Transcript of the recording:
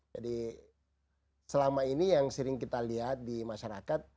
jadi selama ini yang sering kita lihat di masyarakat